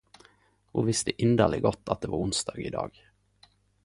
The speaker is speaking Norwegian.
Ho visste inderleg godt at det var onsdag i dag.